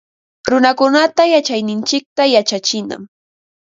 Runakunata yachayninchikta yachachinam